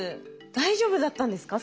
大丈夫だったんですか？